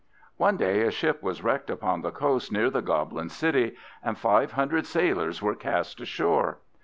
One day a ship was wrecked upon the coast near the goblin city, and five hundred sailors were cast ashore.